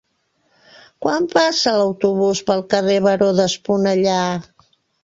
Quan passa l'autobús pel carrer Baró d'Esponellà?